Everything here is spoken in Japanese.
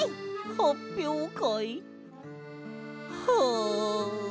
はっぴょうかいはあ。